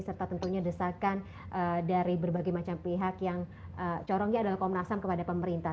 serta tentunya desakan dari berbagai macam pihak yang corongnya adalah komnas ham kepada pemerintah